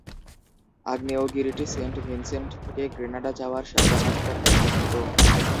আগ্নেয়গিরিটি Saint Vincent থেকে Grenada যাওয়ার জাহাজ পথে অবস্থিত।